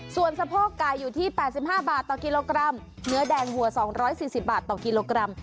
ส่วนสะโพกไก่อยู่ที่๘๕บาทต่อกิโลกรัมเนื้อแดงวัว๒๔๐บาทต่อกิโลกรัม